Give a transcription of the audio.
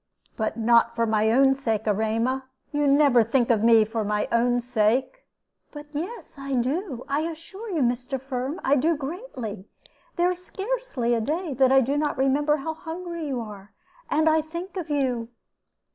"But not for my own sake, Erema; you never think of me for my own sake." "But yes, I do, I assure you, Mr. Firm; I do greatly. There is scarcely a day that I do not remember how hungry you are, and I think of you."